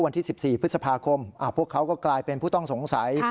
วันที่๑๔พฤษภาคมพวกเขาก็กลายเป็นผู้ต้องสงสัย